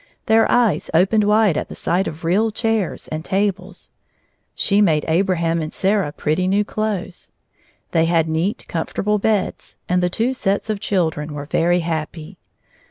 Their eyes opened wide at the sight of real chairs and tables. She made Abraham and Sarah pretty new clothes. They had neat, comfortable beds, and the two sets of children were very happy.